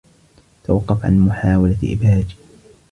توقف عن محاولة إبهاجي.